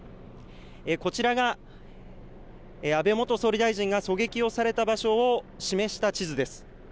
こちらが安倍元総理大臣が狙撃をされた場所を示した地図です。